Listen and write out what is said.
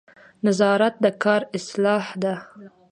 نظارت د کار اصلاح ده